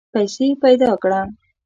پیسې پیدا کړه.